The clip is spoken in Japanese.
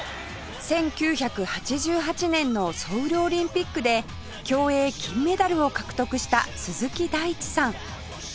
１９８８年のソウルオリンピックで競泳金メダルを獲得した鈴木大地さん